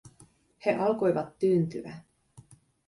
He alkoivat tyyntyä.